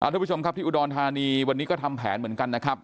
ทุกผู้ชมครับที่อุดรธานีวันนี้ก็ทำแผนเหมือนกันนะครับ